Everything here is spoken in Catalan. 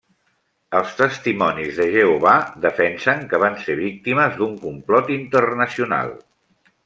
Els Testimonis de Jehovà defensen que van ser víctimes d'un complot internacional.